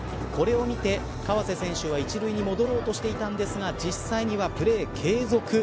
これを見て川瀬選手が１塁に戻ろうとしていたんですが実際にはプレー継続。